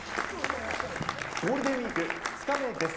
ゴールデンウイーク２日目です。